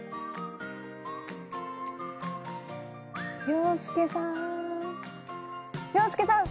洋輔さん洋輔さん！